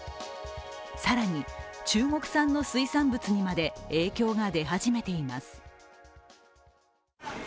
更に、中国産の水産物にまで影響が出始めています。